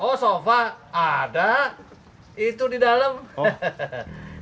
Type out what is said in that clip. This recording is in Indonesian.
oh sofa ada itu di dalam